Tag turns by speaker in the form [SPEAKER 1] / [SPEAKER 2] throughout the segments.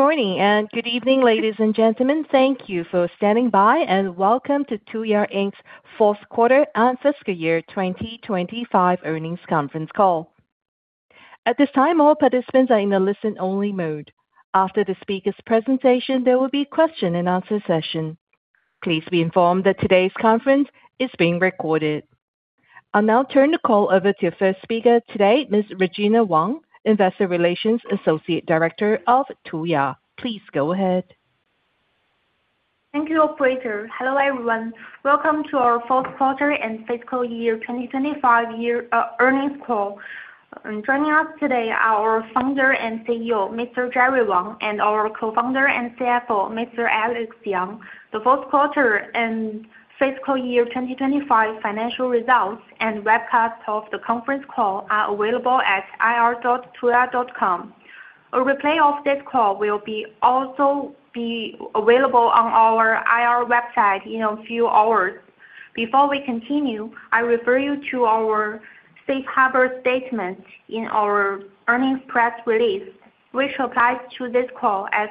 [SPEAKER 1] Morning, and good evening, ladies and gentlemen. Thank you for standing by, and welcome to Tuya Inc's fourth quarter and fiscal year 2025 earnings conference call. At this time, all participants are in a listen-only mode. After the speaker's presentation, there will be a question and answer session. Please be informed that today's conference is being recorded. I'll now turn the call over to your first speaker today, Ms. Regina Wang, Investor Relations Associate Director of Tuya. Please go ahead.
[SPEAKER 2] Thank you, operator. Hello, everyone. Welcome to our fourth quarter and fiscal year 2025 earnings call. Joining us today are our Founder and CEO, Mr. Jerry Wang, and our Co-founder and CFO, Mr. Alex Yang. The fourth quarter and fiscal year 2025 financial results and webcast of the conference call are available at ir.tuya.com. A replay of this call will also be available on our IR website in a few hours. Before we continue, I refer you to our safe harbor statement in our earnings press release, which applies to this call as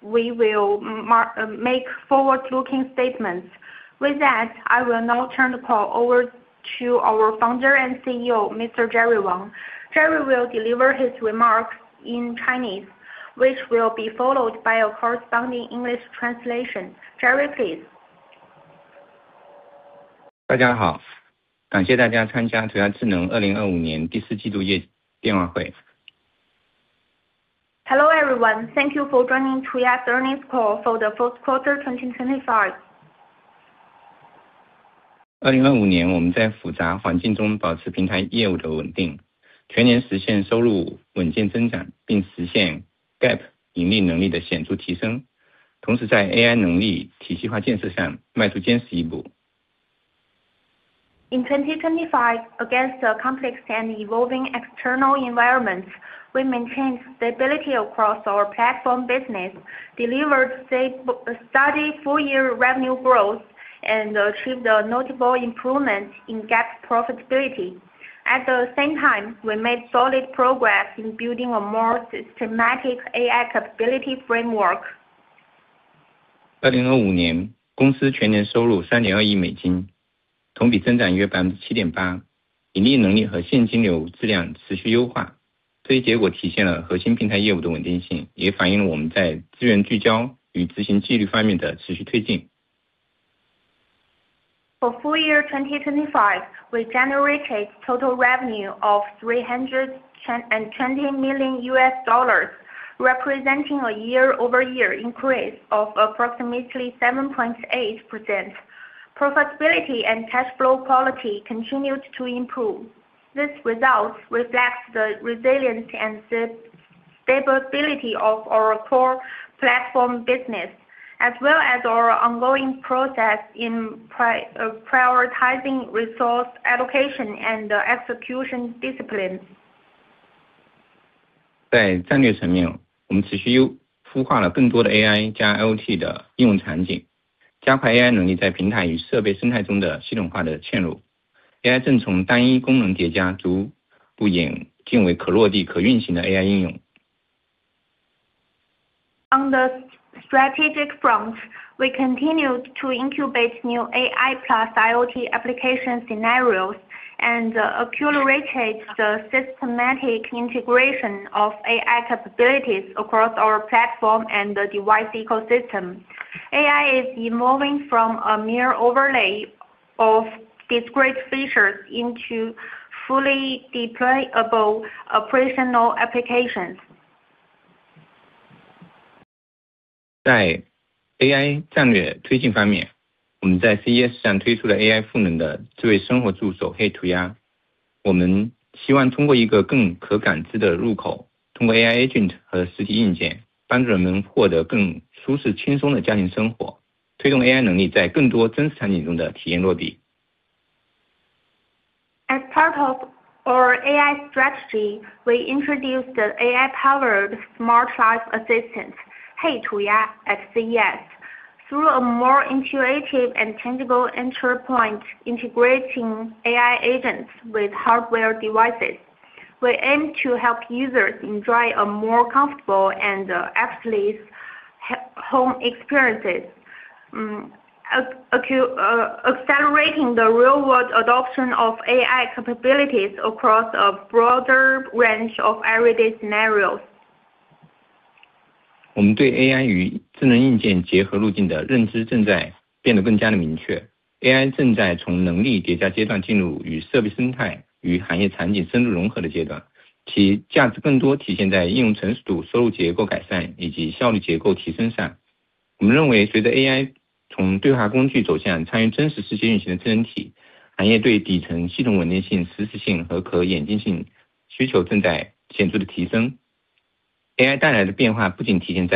[SPEAKER 2] we will make forward-looking statements. I will now turn the call over to our Founder and CEO, Mr. Jerry Wang. Jerry will deliver his remarks in Chinese, which will be followed by a corresponding English translation. Jerry, please. Hello, everyone. Thank you for joining Tuya's earnings call for the fourth quarter, 2025. In 2025, against the complex and evolving external environments, we maintained stability across our platform business, delivered steady full-year revenue growth, and achieved a notable improvement in GAAP profitability. At the same time, we made solid progress in building a more systematic AI capability framework. For full year 2025, we generated total revenue of $320 million, representing a year-over-year increase of approximately 7.8%. Profitability and cash flow quality continued to improve. These results reflect the resilience and stability of our core platform business, as well as our ongoing progress in prioritizing resource allocation and execution discipline. On the strategic front, we continued to incubate new AI+IoT application scenarios and accelerated the systematic integration of AI capabilities across our platform and the device ecosystem. AI is evolving from a mere overlay of discrete features into fully deployable operational applications. As part of our AI strategy, we introduced the AI-powered Smart Life Assistant, Hey Tuya, at CES. Through a more intuitive and tangible entry point, integrating AI agents with hardware devices, we aim to help users enjoy a more comfortable and effortless home experiences. accelerating the real-world adoption of AI capabilities across a broader range of everyday scenarios. Our understanding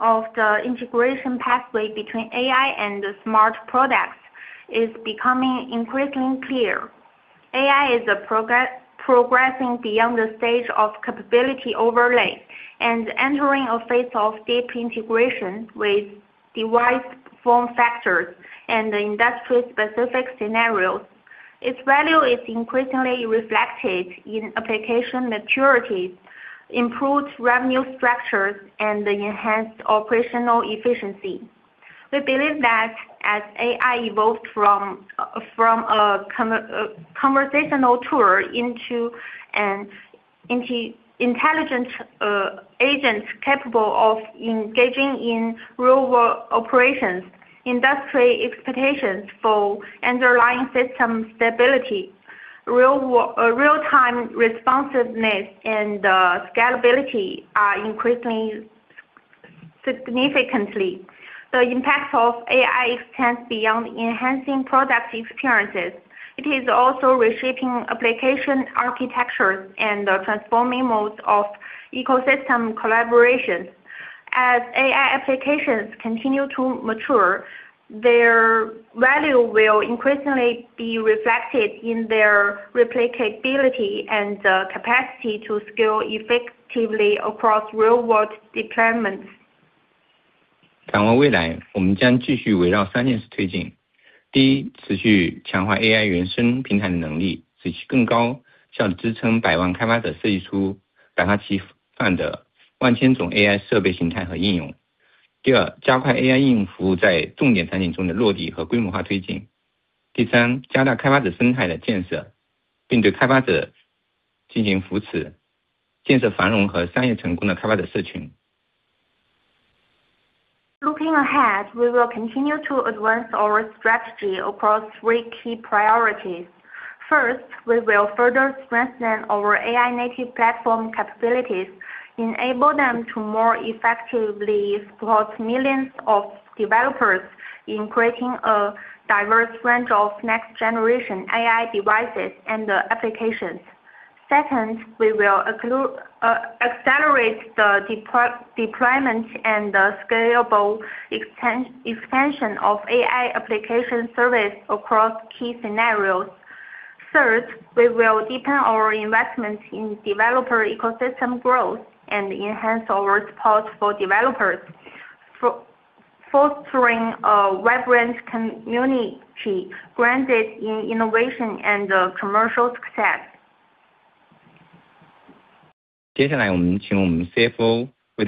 [SPEAKER 2] of the integration pathway between AI and the smart products is becoming increasingly clear. AI is progressing beyond the stage of capability overlay and entering a phase of deep integration with device form factors and industry specific scenarios. Its value is increasingly reflected in application maturity, improved revenue structures, and enhanced operational efficiency. We believe that as AI evolved from a conversational tool into an intelligent agent capable of engaging in real-world operations, industry expectations for underlying system stability, real-time responsiveness and scalability are increasing significantly. The impact of AI extends beyond enhancing product experiences. It is also reshaping application architecture and transforming modes of ecosystem collaboration. As AI applications continue to mature, their value will increasingly be reflected in their replicability and the capacity to scale effectively across real-world deployments. Looking ahead, we will continue to advance our strategy across three key priorities. First, we will further strengthen our AI-native platform capabilities, enable them to more effectively support millions of developers in creating a diverse range of next generation AI devices and applications. Second, we will accelerate the deployment and the scalable expansion of AI application service across key scenarios. Third, we will deepen our investments in developer ecosystem growth and enhance our support for developers. Fostering a vibrant community grounded in innovation and commercial success. Let me turn the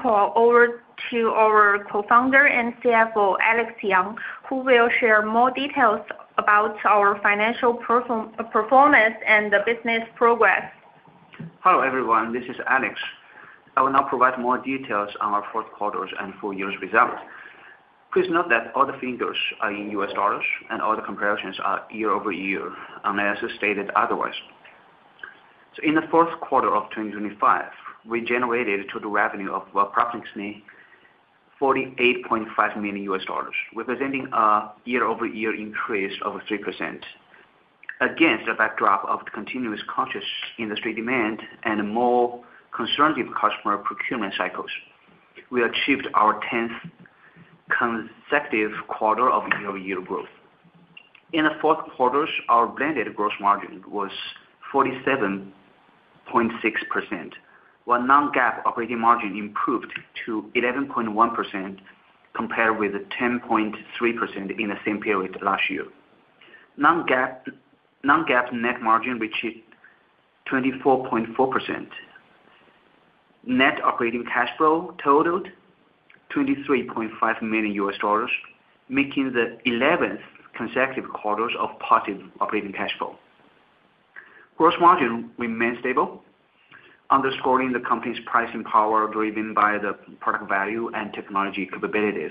[SPEAKER 2] call over to our Co-founder and CFO, Alex Yang, who will share more details about our financial performance and the business progress.
[SPEAKER 3] Hello everyone, this is Alex. I will now provide more details on our fourth quarter and full year results. Please note that all the figures are in U.S. dollars and all the comparisons are year-over-year, unless stated otherwise. In the fourth quarter of 2025, we generated total revenue of approximately $48.5 million, representing a year-over-year increase of 3%. Against the backdrop of the continuous conscious industry demand and more conservative customer procurement cycles, we achieved our 10th consecutive quarter of year-over-year growth. In the fourth quarters, our blended gross margin was 47.6%, while non-GAAP operating margin improved to 11.1% compared with 10.3% in the same period last year. Non-GAAP net margin reached 24.4%. Net operating cash flow totaled $23.5 million, making the 11th consecutive quarters of positive operating cash flow. Gross margin remained stable, underscoring the company's pricing power, driven by the product value and technology capabilities,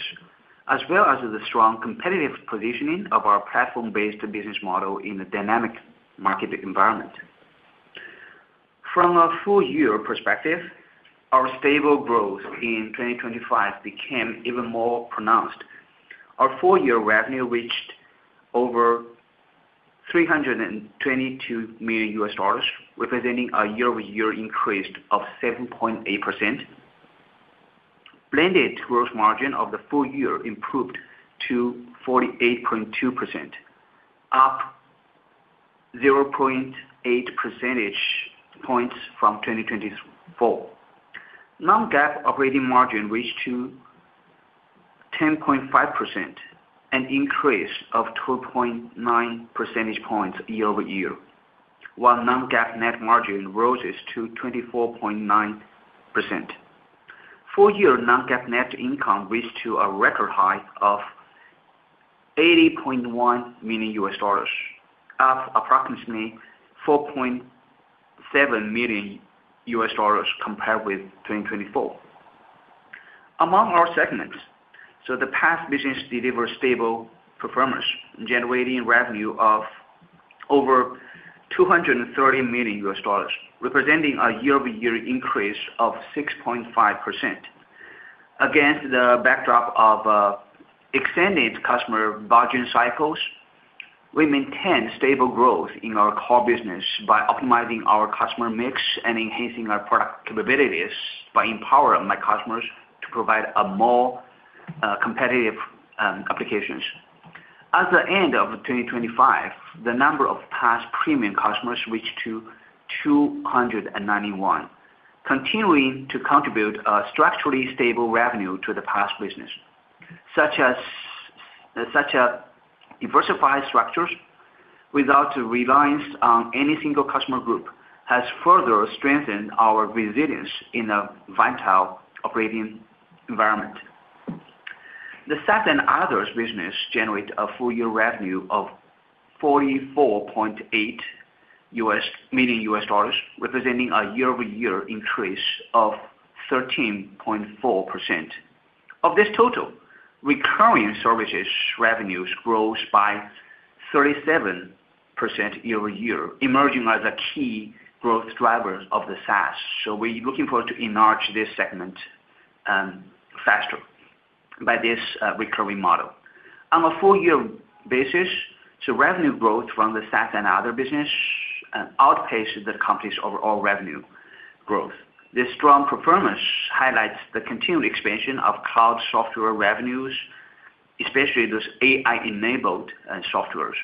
[SPEAKER 3] as well as the strong competitive positioning of our platform-based business model in a dynamic market environment. From a full year perspective, our stable growth in 2025 became even more pronounced. Our full year revenue reached over $322 million, representing a year-over-year increase of 7.8%. Blended gross margin of the full year improved to 48.2%, up 0.8 percentage points from 2024. Non-GAAP operating margin reached to 10.5%, an increase of 2.9 percentage points year-over-year, while non-GAAP net margin roses to 24.9%. Full year non-GAAP net income reached to a record high of $80.1 million, up approximately $4.7 million compared with 2024. Among our segments, the PaaS business delivered stable performance, generating revenue of over $230 million, representing a year-over-year increase of 6.5%. Against the backdrop of extended customer budgeting cycles. We maintain stable growth in our core business by optimizing our customer mix and enhancing our product capabilities by empowering my customers to provide a more competitive applications. At the end of 2025, the number of PaaS premium customers reached to 291, continuing to contribute a structurally stable revenue to the PaaS business. Such a diversified structures without reliance on any single customer group has further strengthened our resilience in a vital operating environment. The SaaS and others business generate a full year revenue of $44.8 million, representing a year-over-year increase of 13.4%. Of this total, recurring services revenues grows by 37% year-over-year, emerging as a key growth driver of the SaaS. We're looking forward to enlarge this segment faster by this recurring model. On a full year basis, revenue growth from the SaaS and other business outpaced the company's overall revenue growth. This strong performance highlights the continued expansion of cloud software revenues, especially those AI-enabled softwares,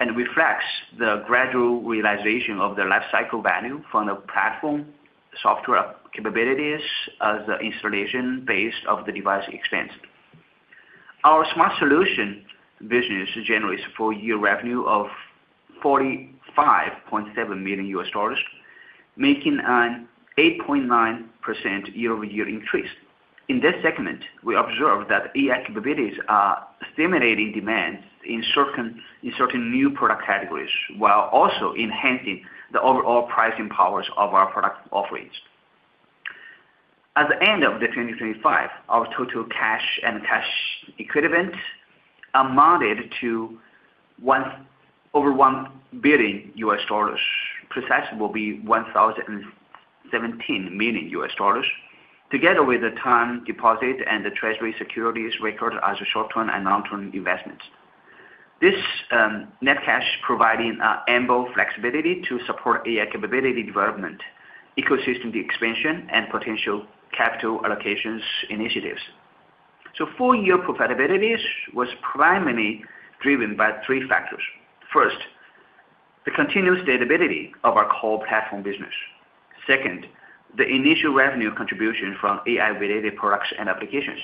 [SPEAKER 3] and reflects the gradual realization of the lifecycle value from the platform software capabilities as the installation base of the device expands. Our smart solution business generates full year revenue of $45.7 million, making an 8.9% year-over-year increase. In this segment, we observe that AI capabilities are stimulating demand in certain new product categories, while also enhancing the overall pricing powers of our product offerings. At the end of 2025, our total cash and cash equivalent amounted to over $1 billion. Precise will be $1,017 million, together with the time deposit and the treasury securities recorded as short-term and long-term investments. This net cash providing ample flexibility to support AI capability development, ecosystem expansion, and potential capital allocations initiatives. Full year profitabilities was primarily driven by three factors. First, the continuous stability of our core platform business. Second, the initial revenue contribution from AI-related products and applications.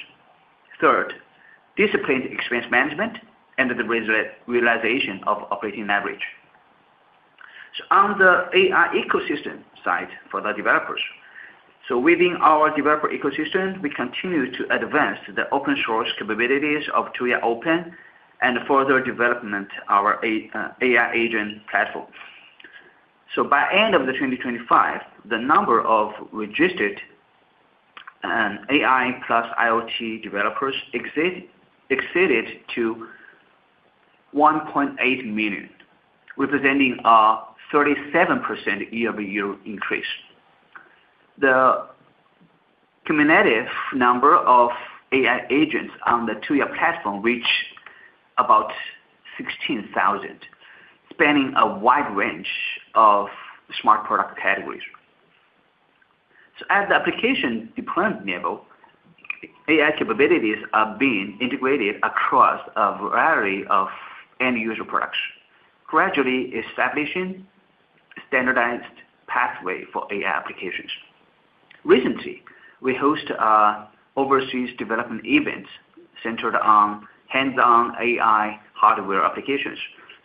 [SPEAKER 3] Third, disciplined expense management and the realization of operating leverage. On the AI ecosystem side for the developers. Within our developer ecosystem, we continue to advance the open source capabilities of TuyaOpen and further development our AI agent platform. By end of 2025, the number of registered AI+IoT developers exceeded 1.8 million, representing a 37% year-over-year increase. The cumulative number of AI agents on the Tuya platform reach about 16,000, spanning a wide range of smart product categories. At the application deployment level, AI capabilities are being integrated across a variety of end user products, gradually establishing standardized pathway for AI applications. Recently, we host a overseas development event centered on hands-on AI hardware applications.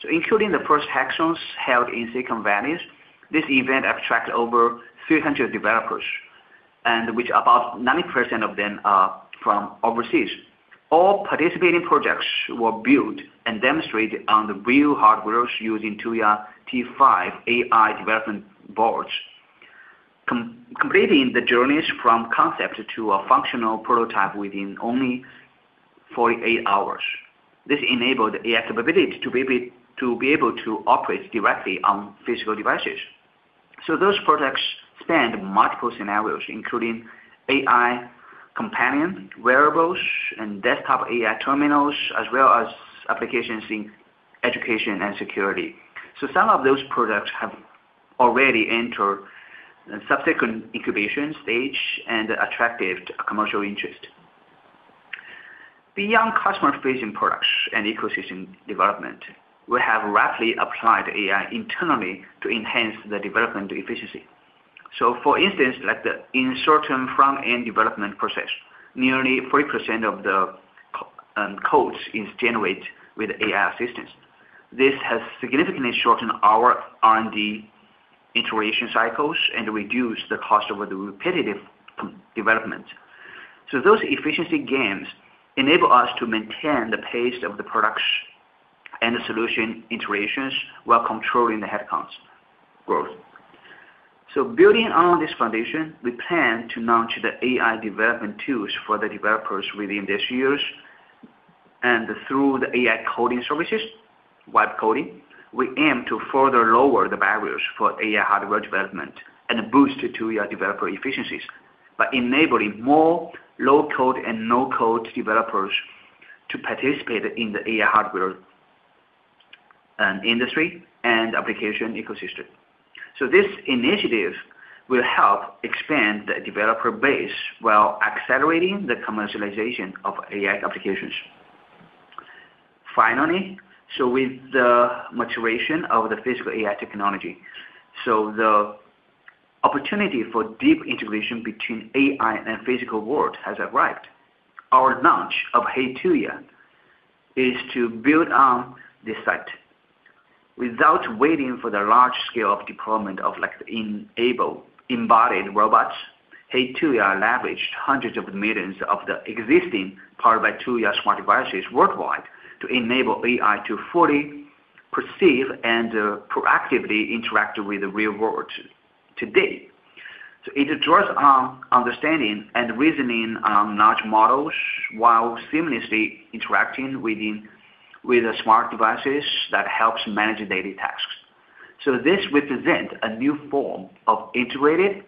[SPEAKER 3] Including the first hackathons held in Silicon Valley, this event attract over 300 developers, which about 90% of them are from overseas. All participating projects were built and demonstrated on the real hardwares using Tuya T5 AI development boards, completing the journeys from concept to a functional prototype within only 48 hours. This enabled AI capability to be able to operate directly on physical devices. Those products span multiple scenarios, including AI companion wearables and desktop AI terminals, as well as applications in education and security. Some of those products have already entered subsequent incubation stage and attracted commercial interest. Beyond customer-facing products and ecosystem development, we have rapidly applied AI internally to enhance the development efficiency. For instance, like the in short-term front-end development process, nearly 40% of the codes is generated with AI assistance. This has significantly shortened our R&D iteration cycles and reduced the cost of the repetitive development. Those efficiency gains enable us to maintain the pace of the products and the solution iterations while controlling the headcounts growth. Building on this foundation, we plan to launch the AI development tools for the developers within this years and through the AI coding services, web coding. We aim to further lower the barriers for AI hardware development and boost the Tuya developer efficiencies by enabling more low-code and no-code developers to participate in the AI hardware industry and application ecosystem. This initiative will help expand the developer base while accelerating the commercialization of AI applications. Finally, so with the maturation of the Physical AI technology, so the opportunity for deep integration between AI and physical world has arrived. Our launch of Hey Tuya is to build on this site. Without waiting for the large scale of deployment of like enable embodied robots, Hey Tuya leveraged hundreds of millions of the existing Powered by Tuya smart devices worldwide to enable AI to fully perceive and proactively interact with the real world today. It draws on understanding and reasoning on large models while seamlessly interacting within with the smart devices that helps manage daily tasks. This represent a new form of integrated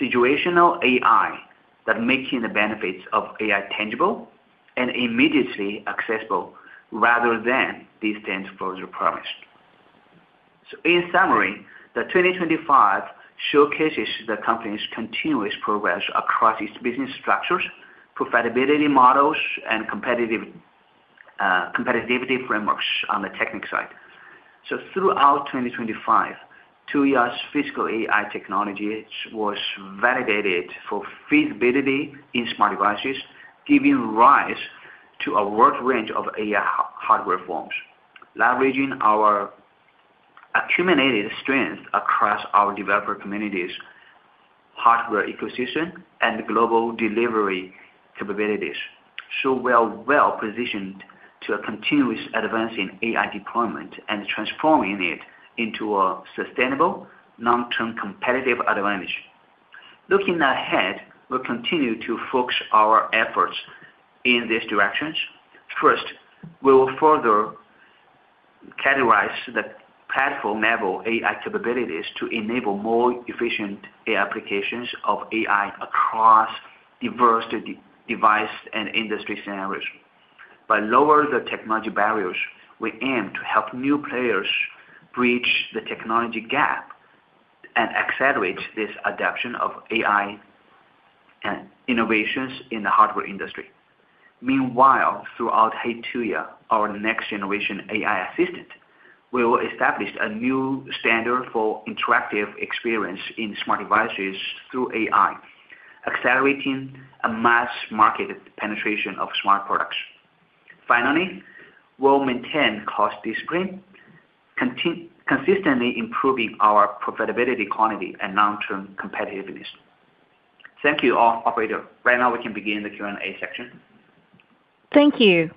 [SPEAKER 3] situational AI that making the benefits of AI tangible and immediately accessible rather than distant closure promised. In summary, the 2025 showcases the company's continuous progress across its business structures, profitability models and competitive competitivity frameworks on the technical side. Throughout 2025, Tuya's Physical AI technology was validated for feasibility in smart devices, giving rise to a wide range of AI hardware forms, leveraging our accumulated strength across our developer communities, hardware ecosystem and global delivery capabilities. We're well-positioned to a continuous advance in AI deployment and transforming it into a sustainable long-term competitive advantage. Looking ahead, we'll continue to focus our efforts in these directions. First, we will further categorize the platform-level AI capabilities to enable more efficient applications of AI across diverse device and industry standards. By lower the technology barriers, we aim to help new players bridge the technology gap and accelerate this adaption of AI innovations in the hardware industry. Meanwhile, throughout Hey Tuya, our next generation AI assistant, we will establish a new standard for interactive experience in smart devices through AI, accelerating a mass market penetration of smart products. Finally, we'll maintain cost discipline, consistently improving our profitability quantity and long-term competitiveness. Thank you all. Operator, right now we can begin the Q&A section.
[SPEAKER 1] Thank you.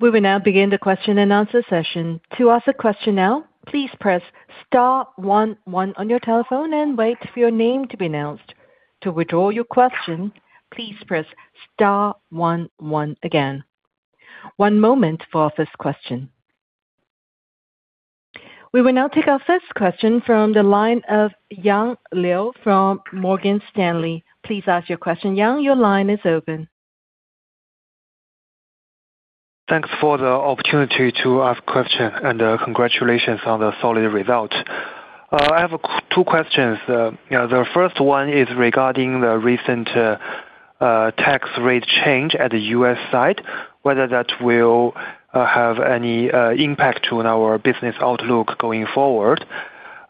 [SPEAKER 1] We will now begin the question and answer session. To ask a question now, please press star one one on your telephone and wait for your name to be announced. To withdraw your question, please press star one one again. One moment for our first question. We will now take our first question from the line of Yang Liu from Morgan Stanley. Please ask your question. Yang, your line is open.
[SPEAKER 4] Thanks for the opportunity to ask question, and congratulations on the solid result. I have two questions. You know, the first one is regarding the recent tax rate change at the U.S. side, whether that will have any impact on our business outlook going forward.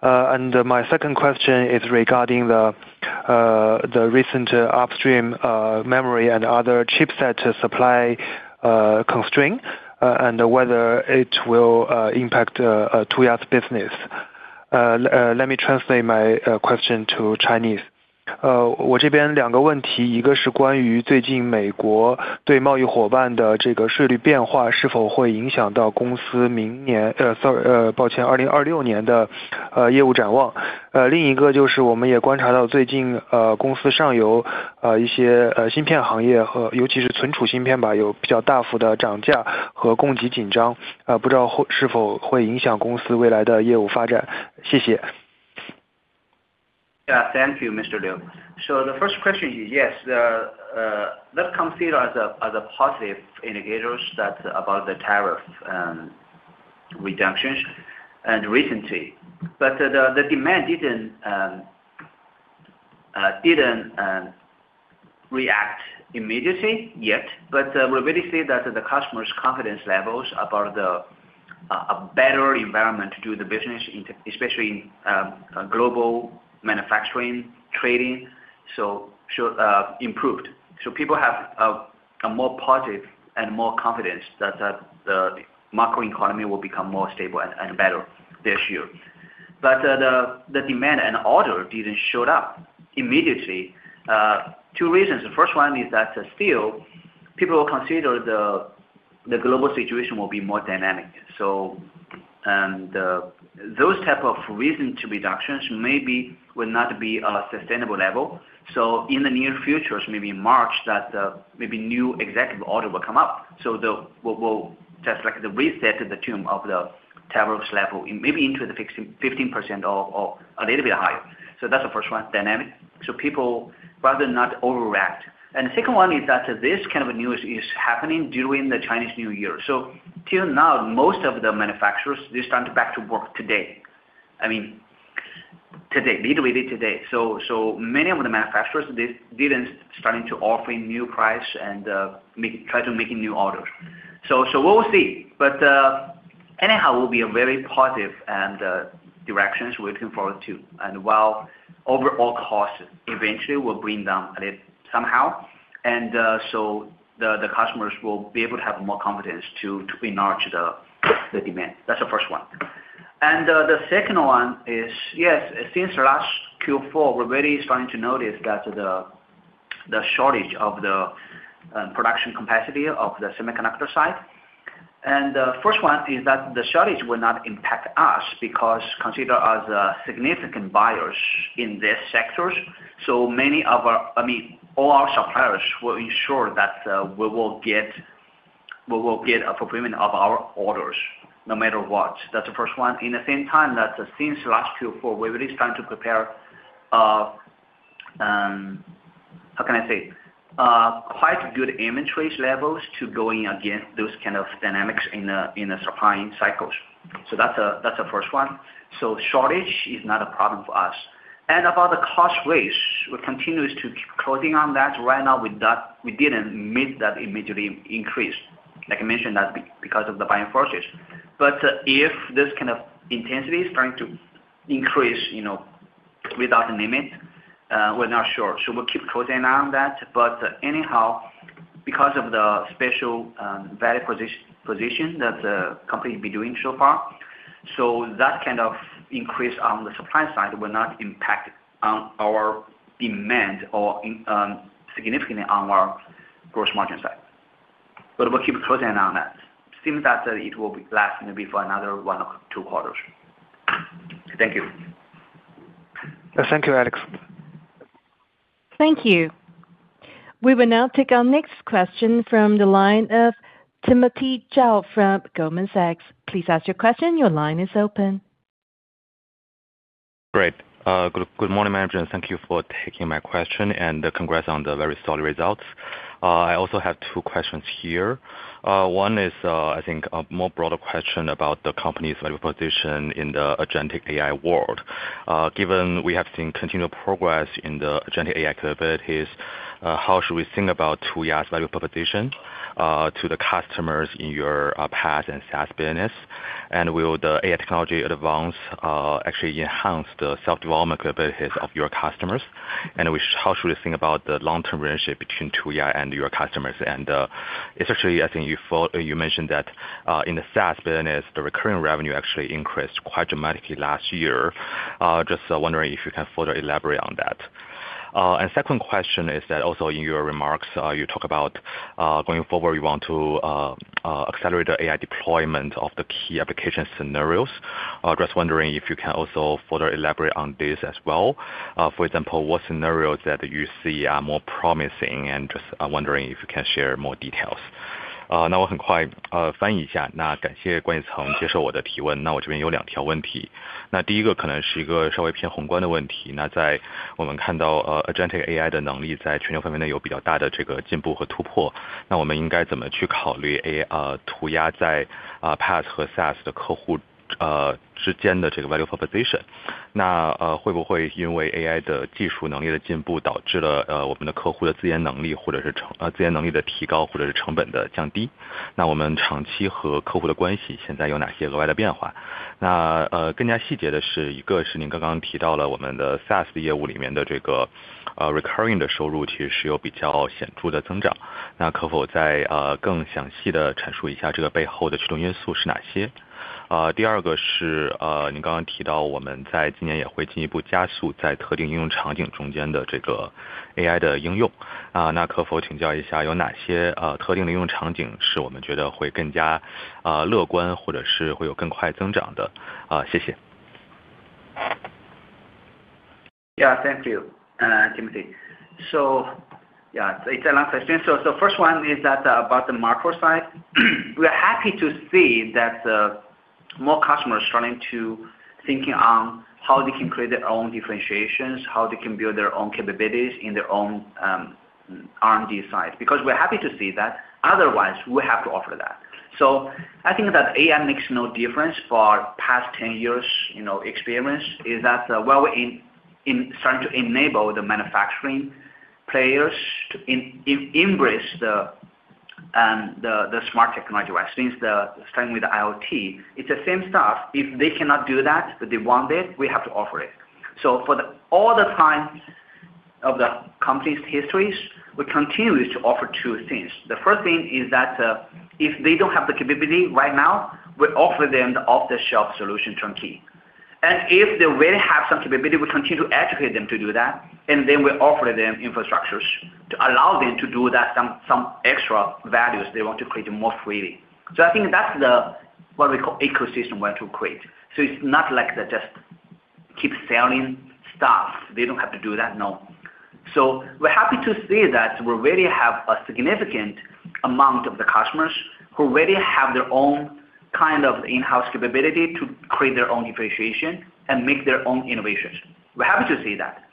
[SPEAKER 4] My second question is regarding the recent upstream memory and other chipset supply constraint, and whether it will impact Tuya's business. Let me translate my question to Chinese.
[SPEAKER 3] Yeah. Thank you, Mr. Liu. The first question, yes, the, let's consider as a positive indicators that about the tariff reductions and recently. The demand didn't react immediately yet, but we already see that the customers' confidence levels about a better environment to do the business in, especially in global manufacturing, trading, so improved. People have a more positive and more confidence that the macro economy will become more stable and better this year. The demand and order didn't showed up immediately. Two reasons. The first one is that still people consider the global situation will be more dynamic. those type of reason to reductions maybe will not be a sustainable level. In the near futures, maybe March, that, maybe new executive order will come up. The we'll just like the reset to the term of the tariffs level, and maybe into the fix 15% or a little bit higher. That's the first one, dynamic. People rather not overreact. The second one is that this kind of a news is happening during the Chinese New Year. Till now, most of the manufacturers, they start back to work today. I mean, today, literally today. Many of the manufacturers, they didn't starting to offer a new price and try to making new orders. We'll see. Anyhow, we'll be a very positive and directions we're looking forward to. While overall costs eventually will bring down a bit somehow, so the customers will be able to have more confidence to enlarge the demand. That's the first one. The second one is, yes, since last Q4, we're really starting to notice that the shortage of the production capacity of the semiconductor side. First one is that the shortage will not impact us because consider as a significant buyers in these sectors. I mean, all our suppliers will ensure that we will get a fulfillment of our orders no matter what. That's the first one. In the same time, that's since last Q4, we're really trying to prepare, how can I say? quite good inventories levels to going against those kind of dynamics in a supplying cycles. That's the first one. Shortage is not a problem for us. About the cost raise, we're continuous to keep closing on that. Right now, we didn't meet that immediately increase. Like I mentioned, that's because of the buying forces. If this kind of intensity is trying to increase, you know, without a limit, we're not sure. We'll keep closing on that. Anyhow, because of the special value position that the company been doing so far, that kind of increase on the supply side will not impact on our demand or in significantly on our gross margin side. We'll keep closing on that. Seems that it will be lasting maybe for another one or two quarters. Thank you.
[SPEAKER 4] Thank you, Alex.
[SPEAKER 1] Thank you. We will now take our next question from the line of Timothy Zhao from Goldman Sachs. Please ask your question. Your line is open.
[SPEAKER 5] Great. Good morning, management. Thank you for taking my question, congrats on the very solid results. I also have two questions here. One is, I think a more broader question about the company's value proposition in the agentic AI world. Given we have seen continued progress in the agentic AI capabilities, how should we think about Tuya's value proposition to the customers in your PaaS and SaaS business? Will the AI technology advance actually enhance the self-development capabilities of your customers? How should we think about the long-term relationship between Tuya and your customers? Especially, I think you mentioned that in the SaaS business, the recurring revenue actually increased quite dramatically last year. Just wondering if you can further elaborate on that. Second question is that also in your remarks, you talk about going forward, you want to accelerate the AI deployment of the key application scenarios. Just wondering if you can also further elaborate on this as well. For example, what scenarios that you see are more promising? Just wondering if you can share more details.
[SPEAKER 3] Yeah. Thank you, Timothy. Yeah, it's a long question. First one is that about the macro side. We're happy to see that, more customers starting to thinking on how they can create their own differentiations, how they can build their own capabilities in their own R&D side. We're happy to see that, otherwise we have to offer that. I think that AI makes no difference for past 10 years, you know, experience, is that, while we're starting to enable the manufacturing players to embrace the smart technology wise. Since the starting with the IoT, it's the same stuff. If they cannot do that, but they want it, we have to offer it. For the all the time of the company's histories, we continue to offer two things. The first thing is that, if they don't have the capability right now, we offer them the off-the-shelf solution turnkey. If they really have some capability, we continue to educate them to do that, then we offer them infrastructures to allow them to do that some extra values they want to create more freely. I think that's the, what we call ecosystem we want to create. It's not like they just keep selling stuff. They don't have to do that. No. We're happy to see that we already have a significant amount of the customers who already have their own kind of in-house capability to create their own differentiation and make their own innovations. We're happy to see that.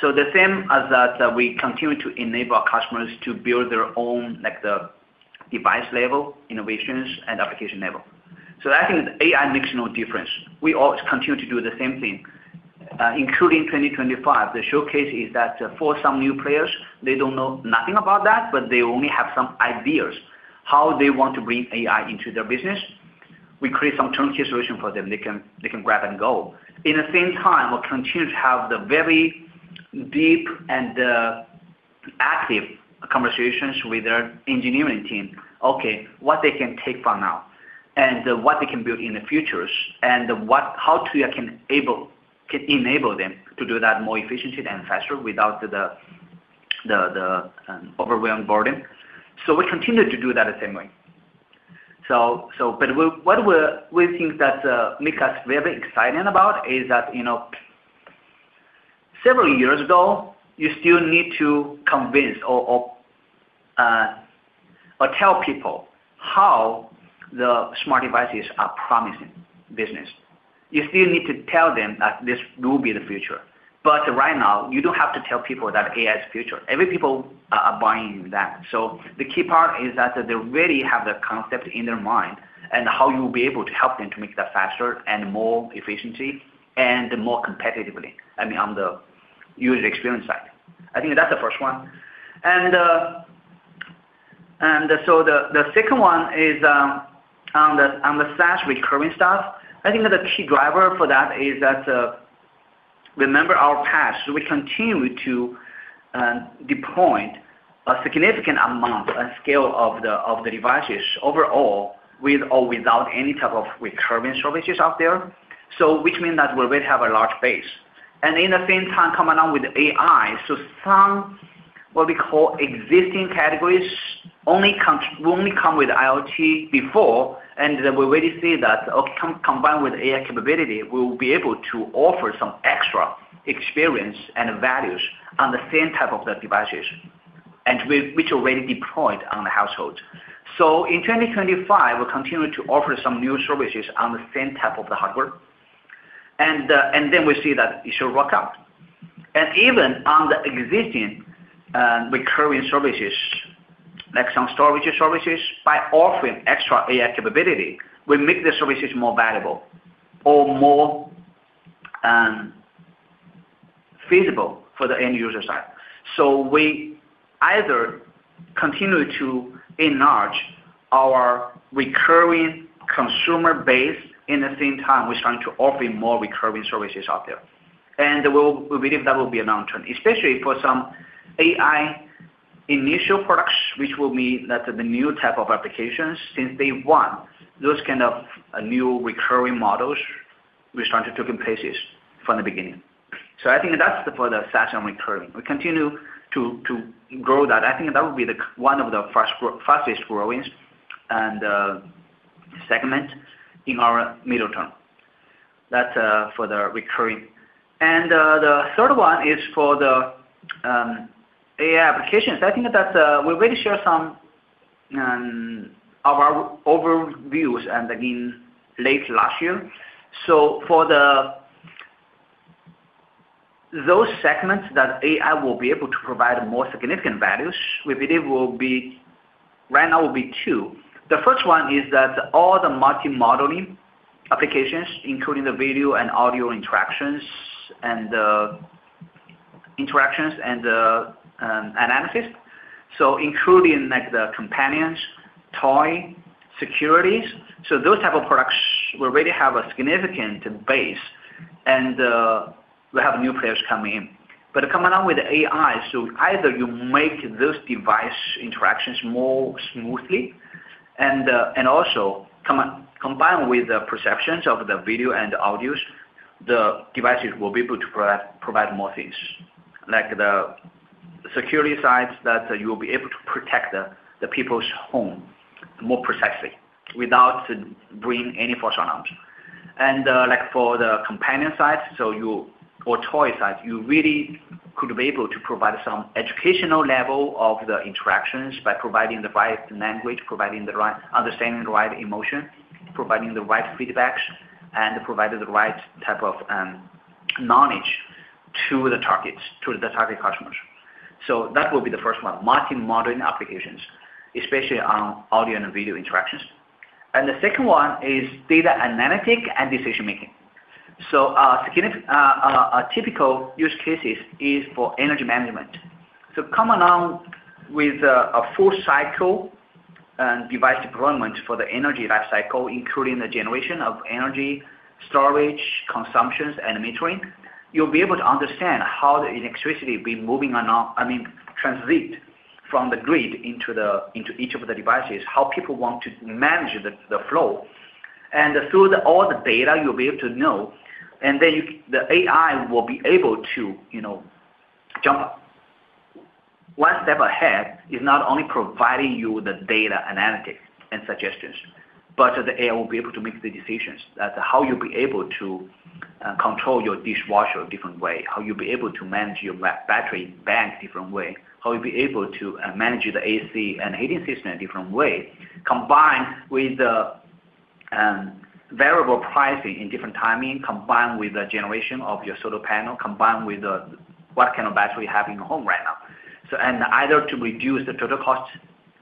[SPEAKER 3] The same as that, we continue to enable our customers to build their own, like, the device level innovations and application level. I think AI makes no difference. We always continue to do the same thing. Including 2025, the showcase is that for some new players, they don't know nothing about that, but they only have some ideas how they want to bring AI into their business. We create some turnkey solution for them. They can grab and go. In the same time, we'll continue to have the very deep and active conversations with their engineering team. What they can take for now and what they can build in the futures and how Tuya can enable them to do that more efficiently and faster without the overwhelming burden. We continue to do that the same way. we think that, you know, several years ago, you still need to convince or tell people how the smart devices are promising business. You still need to tell them that this will be the future. Right now, you don't have to tell people that AI is the future. Every people are buying that. The key part is that they already have the concept in their mind and how you'll be able to help them to make that faster and more efficiency and more competitively, I mean, on the user experience side. I think that's the first one. The second one is on the SaaS recurring stuff. I think that the key driver for that is that, remember our past, we continue to deploy a significant amount and scale of the devices overall with or without any type of recurring services out there. Which mean that we will have a large base, and in the same time come along with AI. Some, what we call existing categories will only come with IoT before, and we already see that combined with AI capability, we will be able to offer some extra experience and values on the same type of the devices and which already deployed on the household. In 2025, we'll continue to offer some new services on the same type of the hardware. Then we see that it should work out. Even on the existing recurring services, like some storage services, by offering extra AI capability, we make the services more valuable or more feasible for the end user side. We either continue to enlarge our recurring consumer base. In the same time, we're trying to offer more recurring services out there. We believe that will be a long-term, especially for some AI initial products, which will mean that the new type of applications, since day one, those kind of new recurring models, we started taking places from the beginning. I think that's for the SaaS and recurring. We continue to grow that. I think that would be one of the fast-growing, fastest growings and segment in our middle term. That's for the recurring. The third one is for the AI applications. I think that's, we already share some, our overviews and again, late last year. Those segments that AI will be able to provide more significant values, we believe right now will be two. The first one is that all the multi-modeling applications, including the video and audio interactions and analysis. Including like the companions, toy, securities. Those type of products will really have a significant base and will have new players coming in. Coming on with AI, either you make those device interactions more smoothly and also combined with the perceptions of the video and audios, the devices will be able to provide more things. Like the security sides that you'll be able to protect the people's home more precisely without bringing any false alarms. Like for the companion side, or toy side, you really could be able to provide some educational level of the interactions by providing the right language, providing the right understanding, the right emotion, providing the right feedbacks, and providing the right type of knowledge to the targets, to the target customers. That will be the first one, multi-modeling applications, especially on audio and video interactions. The second one is data analytic and decision-making. A typical use cases is for energy management. Come along with a full cycle and device deployment for the energy life cycle, including the generation of energy storage, consumptions, and metering. You'll be able to understand how the electricity will be moving along. I mean, From the grid into the, into each of the devices, how people want to manage the flow. Through all the data, you'll be able to know, and then the AI will be able to, you know, jump one step ahead. It's not only providing you the data analytics and suggestions, but the AI will be able to make the decisions. How you'll be able to control your dishwasher a different way, how you'll be able to manage your battery bank different way, how you'll be able to manage the AC and heating system a different way. Combined with the variable pricing in different timing, combined with the generation of your solar panel, combined with the what kind of battery you have in your home right now. Either to reduce the total cost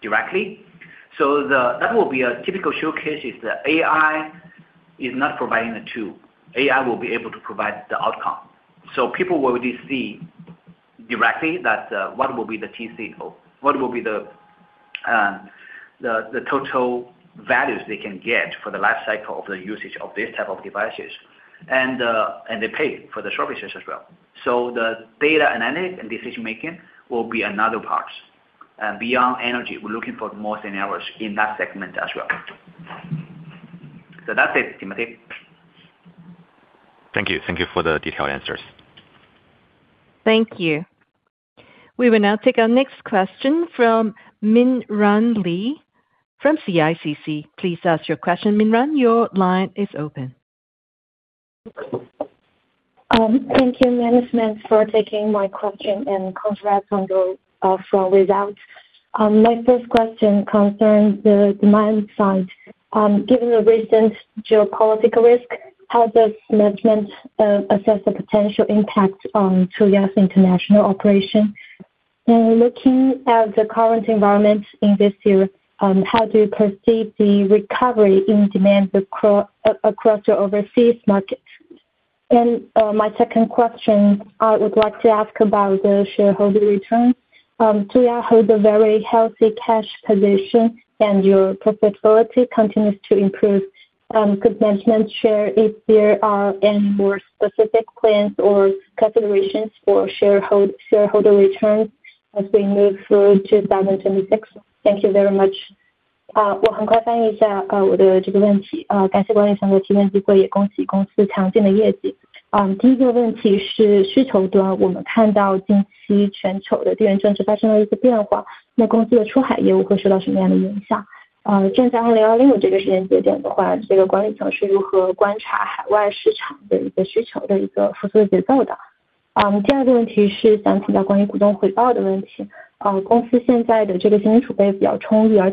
[SPEAKER 3] directly. That will be a typical showcase is that AI is not providing the tool. AI will be able to provide the outcome. People will really see directly that what will be the TC, what will be the total values they can get for the life cycle of the usage of this type of devices. They pay for the services as well. The data analytics and decision making will be another part. Beyond energy, we're looking for more scenarios in that segment as well. That's it, Timothy.
[SPEAKER 5] Thank you. Thank you for the detailed answers.
[SPEAKER 1] Thank you. We will now take our next question from Mingran Li from CICC. Please ask your question, Mingran. Your line is open.
[SPEAKER 6] Thank you management for taking my question and congrats on the strong results. My first question concerns the demand side. Given the recent geopolitical risk, how does management assess the potential impact on Tuya's international operation? Looking at the current environment in this year, how do you perceive the recovery in demand across your overseas markets? My second question, I would like to ask about the shareholder return. Tuya holds a very healthy cash position, and your profitability continues to improve. Could management share if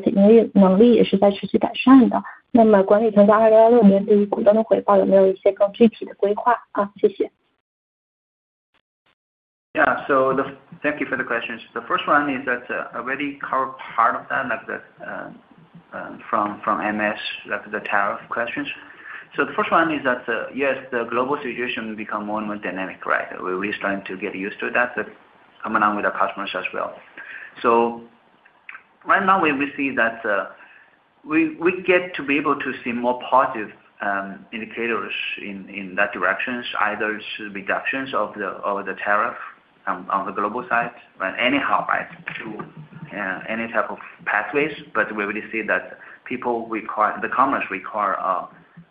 [SPEAKER 6] there are any more specific plans or considerations for shareholder returns as we move through to 2026? Thank you very much.
[SPEAKER 3] Thank you for the questions. The first one is that, I already covered part of that, like the, from MS, like the tariff questions. The first one is that, yes, the global situation will become more and more dynamic, right? We're starting to get used to that, but coming on with our customers as well. Right now we will see that, we get to be able to see more positive indicators in that direction, either reductions of the tariff on the global side, but anyhow, right, to any type of pathways. We really see that people require, the commerce require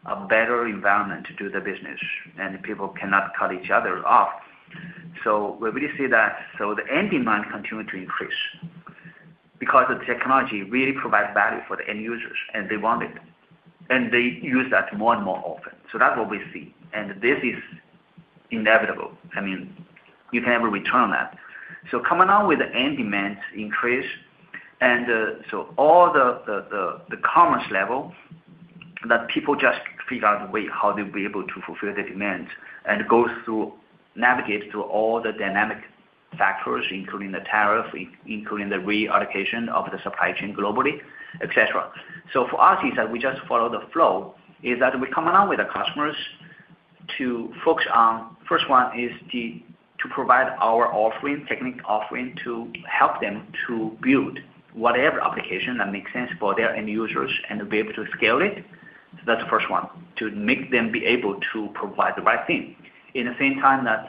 [SPEAKER 3] a better environment to do the business and people cannot cut each other off. We really see that. The end demand continue to increase because the technology really provides value for the end users, and they want it. They use that more and more often. That's what we see. This is inevitable. I mean, you can never return that. Coming on with the end demand increase and, all the, the commerce level that people just figure out a way how they'll be able to fulfill the demand and goes through, navigate through all the dynamic factors, including the tariff, including the reallocation of the supply chain globally, et cetera. For us is that we just follow the flow, is that we come along with the customers to focus on, first one is the... to provide our offering, technique offering to help them to build whatever application that makes sense for their end users and be able to scale it. That's the first one, to make them be able to provide the right thing. In the same time that,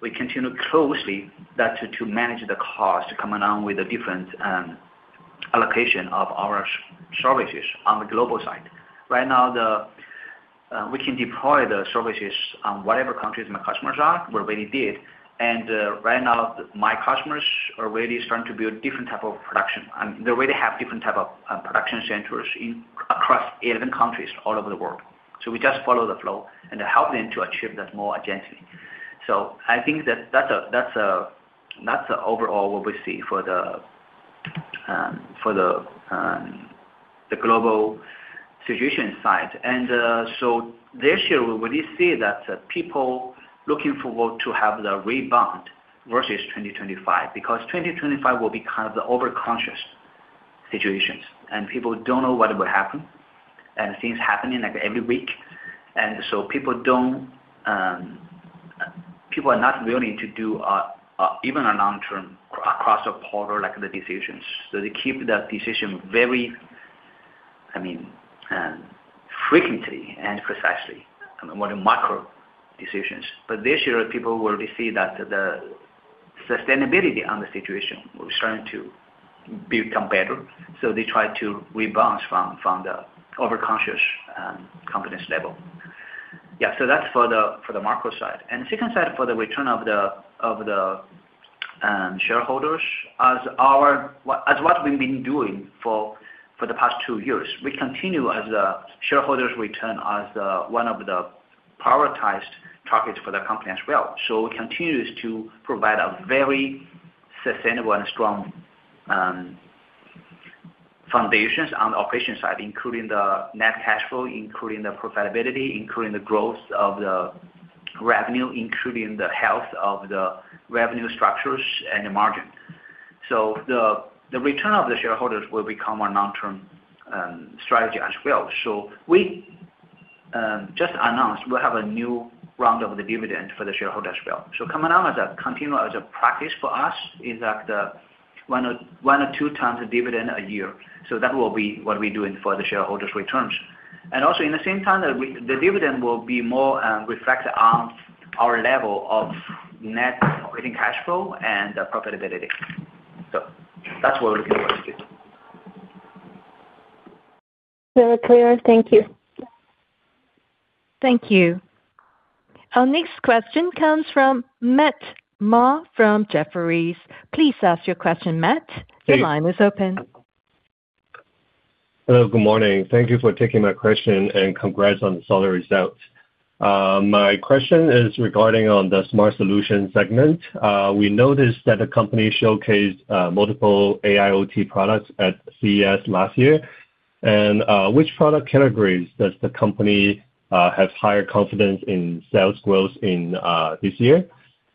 [SPEAKER 3] we continue closely that to manage the cost coming on with the different, allocation of our services on the global side. Right now, we can deploy the services on whatever countries my customers are. We already did. Right now my customers are really starting to build different type of production, and they already have different type of production centers in, across 11 countries all over the world. We just follow the flow and help them to achieve that more agilely. I think that that's a overall what we see for the global situation side. This year we will see that people looking forward to have the rebound versus 2025, because 2025 will be kind of the overconscious situations and people don't know what will happen and things happening like every week. People don't people are not willing to do even a long term across the quarter like the decisions. They keep that decision very I mean, frequently and precisely more than macro decisions. This year, people will see that the sustainability on the situation will be starting to become better. They try to rebound from the overconscious confidence level. Yeah. That's for the macro side. Second side, for the return of the shareholders as what we've been doing for the past 2 years, we continue as the shareholders return as one of the prioritized targets for the company as well. We continues to provide a very sustainable and strong foundations on the operation side, including the net cash flow, including the profitability, including the growth of the revenue, including the health of the revenue structures and the margin. The return of the shareholders will become our long-term strategy as well. We just announced we have a new round of the dividend for the shareholders as well. Coming out as a continue as a practice for us is that 1x or 2x a dividend a year. That will be what we're doing for the shareholders returns. Also in the same time the dividend will be more reflect on our level of net operating cash flow and profitability. That's what we'll be working with.
[SPEAKER 6] Very clear. Thank you.
[SPEAKER 1] Thank you. Our next question comes from Matt Ma from Jefferies. Please ask your question, Matt.
[SPEAKER 7] Hey.
[SPEAKER 1] The line is open.
[SPEAKER 7] Hello. Good morning. Thank you for taking my question and congrats on the solid results. My question is regarding on the smart solution segment. We noticed that the company showcased multiple AIOT products at CES last year. Which product categories does the company have higher confidence in sales growth in this year?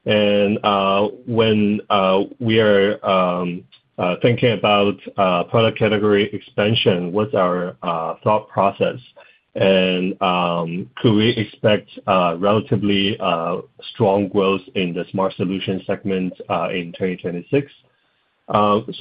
[SPEAKER 7] When we are thinking about product category expansion, what's our thought process? Could we expect relatively strong growth in the smart solutions segment in 2026?
[SPEAKER 3] Thanks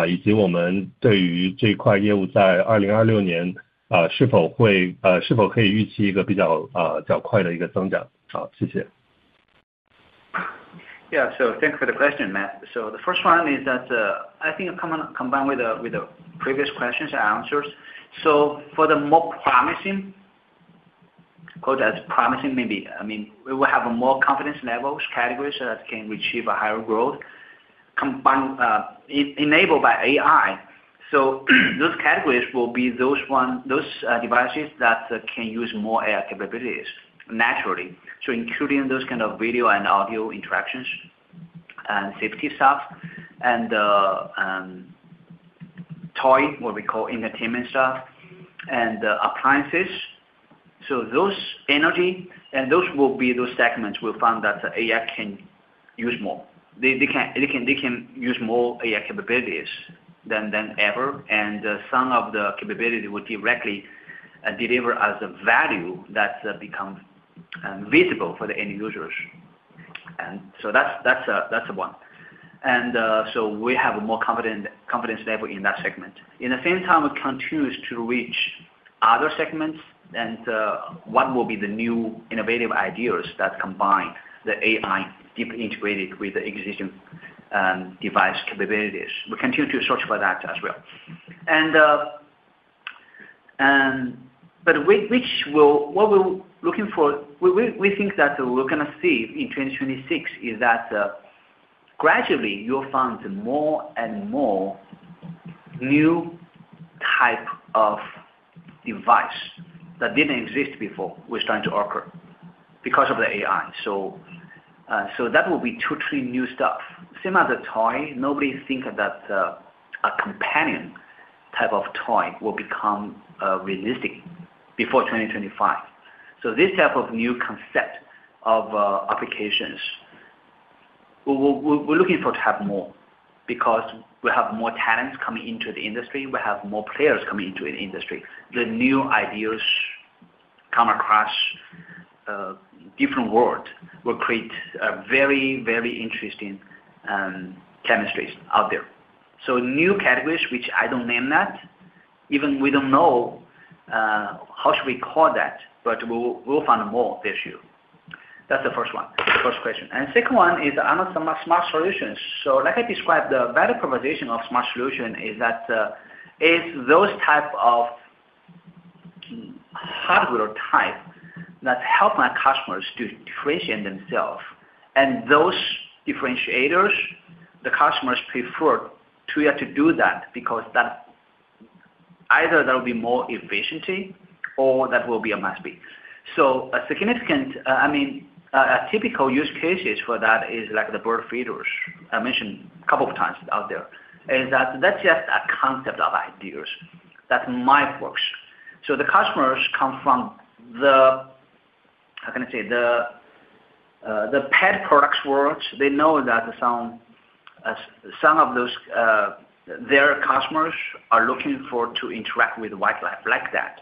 [SPEAKER 3] for the question, Matt. The first one is that, I think combined with the previous questions and answers. For the more promising, quote as promising maybe, I mean, we will have more confidence levels categories that can achieve a higher growth combined, enabled by AI. Those categories will be those devices that can use more AI capabilities naturally. Including those kind of video and audio interactions and safety stuff and, toy, what we call entertainment stuff and appliances. Those energy. Those will be those segments we'll find that AI can use more. They can use more AI capabilities than ever, and some of the capability will directly deliver as a value that becomes visible for the end users. That's one. We have a more confidence level in that segment. In the same time, we continue to reach other segments and what will be the new innovative ideas that combine the AI deep integrated with the existing device capabilities. We continue to search for that as well. We think that we're gonna see in 2026 is that gradually you'll find more and more new type of device that didn't exist before, which trying to occur because of the AI. That will be two, three new stuff. Same as a toy. Nobody think that a companion type of toy will become realistic before 2025. This type of new concept of applications, we're looking for to have more because we have more talents coming into the industry. We have more players coming into the industry. The new ideas come across different world will create a very, very interesting chemistries out there. New categories, which I don't name that, even we don't know how should we call that, but we'll find more this year. That's the first one, the first question. Second one is on the smart solutions. Like I described, the value proposition of smart solution is that is those type of hardware type that help my customers to differentiate themselves. Those differentiators, the customers prefer to have to do that because either there will be more efficiency or that will be a must-be. A significant, I mean, a typical use cases for that is like the bird feeders. I mentioned a couple of times out there, is that's just a concept of ideas that might work. The customers come from How can I say? The pet products world, they know that some of those, their customers are looking for to interact with wildlife like that.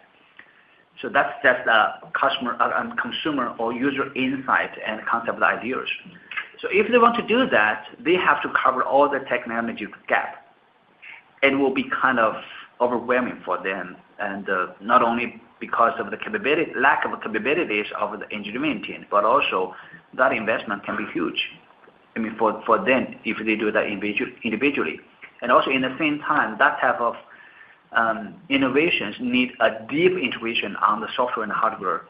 [SPEAKER 3] That's, that's the customer and consumer or user insight and concept ideas. If they want to do that, they have to cover all the technology gap. It will be kind of overwhelming for them. Not only because of the lack of capabilities of the engineering team, but also that investment can be huge. I mean, for them, if they do that individually. Also in the same time, that type of innovations need a deep integration on the software and hardware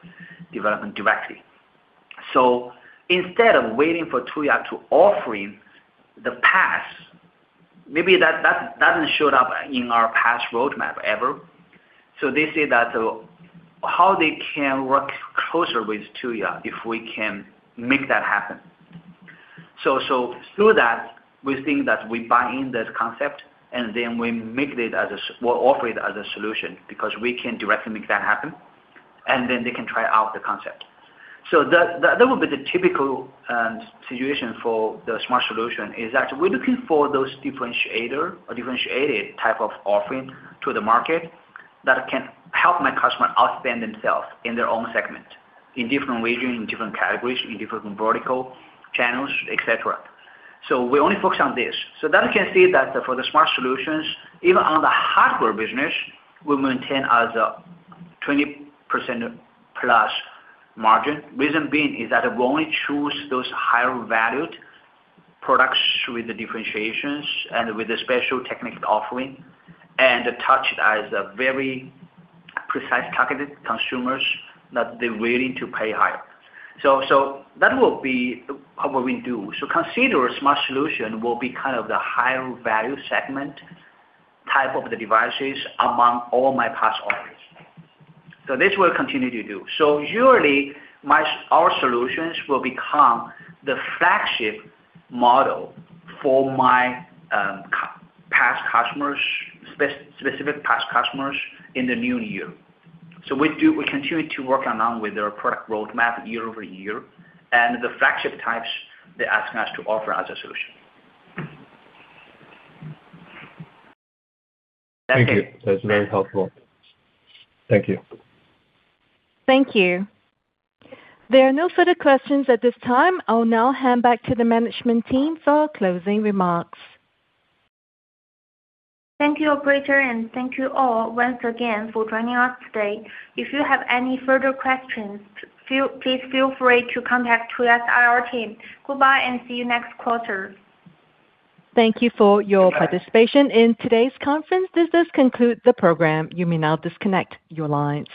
[SPEAKER 3] development directly. Instead of waiting for Tuya to offering the PaaS, maybe that doesn't show up in our PaaS roadmap ever. They say that how they can work closer with Tuya if we can make that happen. Through that, we think that we buy in this concept and then we make it, we'll offer it as a solution because we can directly make that happen, and then they can try out the concept. That, that would be the typical situation for the smart solution, is that we're looking for those differentiator or differentiated type of offering to the market that can help my customer outstand themselves in their own segment, in different region, in different categories, in different vertical channels, et cetera. We only focus on this. You can see that for the smart solutions, even on the hardware business, we maintain as a 20%+ margin. Reason being is that we only choose those higher valued products with the differentiations and with the special technical offering, and touch as a very precise targeted consumers that they're willing to pay higher. That will be what we do. Consider smart solution will be kind of the higher value segment type of the devices among all my PaaS offers. This we'll continue to do. Usually, our solutions will become the flagship model for my specific PaaS customers in the new year. We continue to work along with their product roadmap year-over-year, and the flagship types, they're asking us to offer as a solution.
[SPEAKER 7] Thank you. That's very helpful. Thank you.
[SPEAKER 1] Thank you. There are no further questions at this time. I'll now hand back to the management team for our closing remarks.
[SPEAKER 2] Thank you, operator, and thank you all once again for joining us today. If you have any further questions, please feel free to contact Tuya's IR team. Goodbye and see you next quarter.
[SPEAKER 1] Thank you for your participation in today's conference. This does conclude the program. You may now disconnect your line.